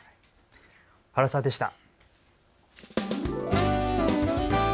原さんでした。